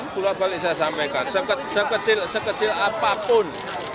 pulau balik saya sampaikan sekecil apapun